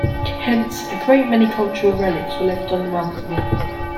Hence, a great many cultural relics were left on the mountain.